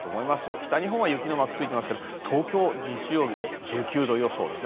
北日本は雪のマークがついていますが東京、日曜日は１９度予想ですね。